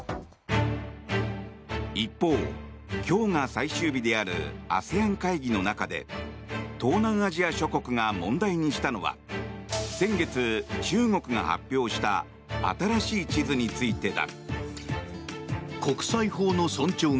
一方、今日が最終日であるＡＳＥＡＮ会議の中で東南アジア諸国が問題にしたのは先月、中国が発表した新しい地図についてだ。